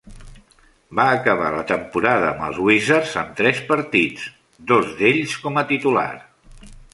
Va acabar la temporada amb els Wizards amb tres partits, dos d'ells com a titular.